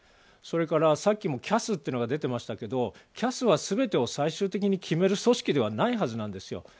それからさっきもＣＡＳってのが出ていましたけどＣＡＳは全てを最終的に決める組織ではないんですよ。